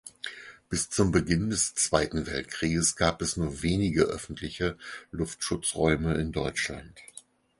Bis zum Beginn des Zweiten Weltkriegs gab es nur wenige öffentliche Luftschutzräume in Deutschland.